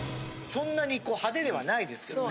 そんなに派手ではないですけどね。